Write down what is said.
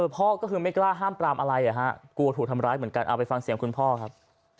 พ่อก็คือไม่กล้าห้ามปรามอะไรกลัวถูกทำร้ายเหมือนกันเอาไปฟังเสียงคุณพ่อครับ